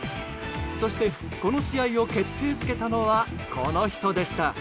そしてこの試合を決定づけたのはこの人でした。